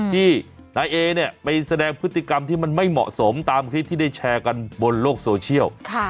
ที่นายเอเนี่ยไปแสดงพฤติกรรมที่มันไม่เหมาะสมตามคลิปที่ได้แชร์กันบนโลกโซเชียล